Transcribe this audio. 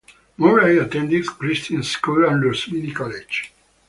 Murray attended Kristin School and Rosmini College.